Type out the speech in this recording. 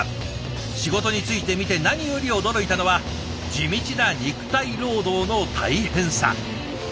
仕事に就いてみて何より驚いたのは地道な肉体労働の大変さ。